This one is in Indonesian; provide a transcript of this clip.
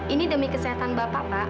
ini demi kesehatan bapak pak